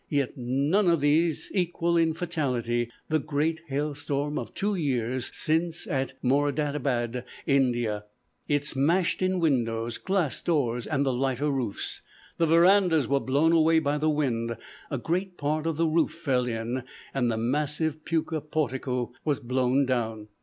Yet, none of these equal in fatality the great hail storm of two years since at Moradabad, India. It smashed in windows, glass doors and the lighter roofs, "The verandas were blown away by the wind. A great part of the roof fell in, and the massive pucca portico was blown down.